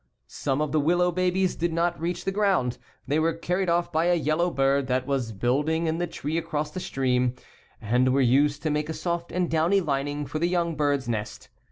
Some of the willow babies did not reach the ground; they were carried off by a yellow bird that was building in the tree across the stream, and were used to make a soft and downy lining for the young birds' nest.